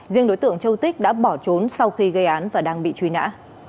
riêng đối tượng châu tích đã bỏ trốn sau khi gây án và đang bị truy nã